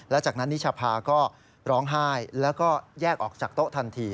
และจากนั้นนิชภาก็ร้องไห้แล้วก็แยกออกจากโต๊ะทันที